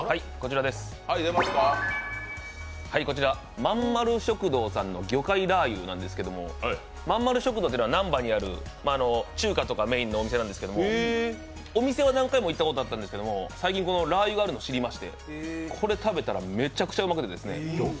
まんまる食堂さんの魚介ラー油なんですけど、まんまる食堂っていうのは難波にある中華とかメインのお店なんですけれどもお店は何回も行ったことがあったんですけど、最近、ラー油があるのを知りましてこれ食べたら、めちゃくちゃうまくて。